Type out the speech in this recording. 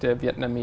tôi cảm thấy